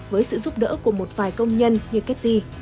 với sự giúp đỡ của một vài công nhân như cathy